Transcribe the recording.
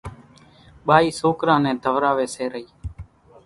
ٻائِي سوڪرا نين ڌوراويَ سي رئِي۔